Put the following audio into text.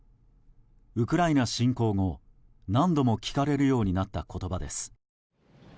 ウクライナ侵攻後何度も聞かれるようになった言葉です。